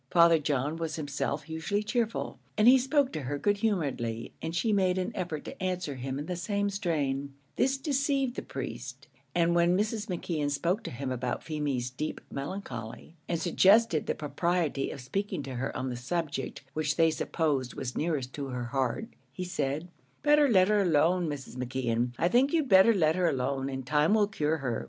Father John was himself usually cheerful, and he spoke to her good humouredly, and she made an effort to answer him in the same strain; this deceived the priest, and when Mrs. McKeon spoke to him about Feemy's deep melancholy, and suggested the propriety of speaking to her on the subject which they supposed was nearest her heart, he said, "Better let her alone, Mrs. McKeon; I think you'd better let her alone, and time will cure her.